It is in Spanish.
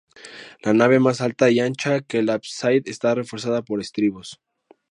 La nave, más alta y ancha que el ábside, está reforzada por estribos.